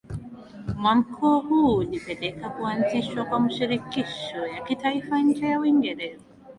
Mwamko huu ulipelekea kuanzishwa kwa Mashirikisho ya kitaifa nje ya Uingereza